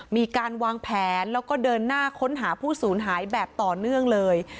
มีการวางแผนแล้วก็เดินหน้าค้นหาผู้สูญหายแบบต่อเนื่องเลย